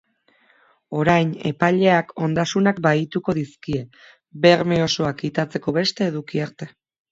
Orain, epaileak ondasunak bahituko dizkie, berme osoa kitatzeko beste eduki arte.